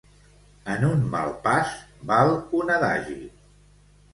En un mal pas val un adagi.